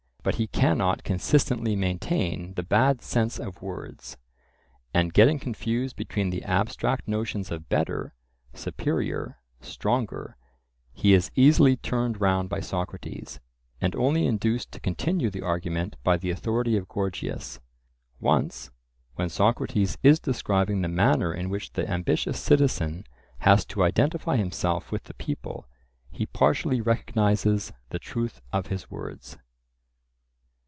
But he cannot consistently maintain the bad sense of words; and getting confused between the abstract notions of better, superior, stronger, he is easily turned round by Socrates, and only induced to continue the argument by the authority of Gorgias. Once, when Socrates is describing the manner in which the ambitious citizen has to identify himself with the people, he partially recognizes the truth of his words.